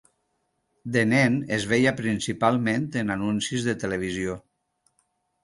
De nen, es veia principalment en anuncis de televisió.